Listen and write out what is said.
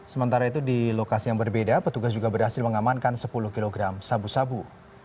sementara itu di lokasi yang berbeda petugas juga berhasil mengamankan sepuluh kg sabu sabu